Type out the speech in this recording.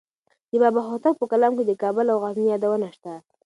د بابا هوتک په کلام کې د کابل او غزني یادونه شته.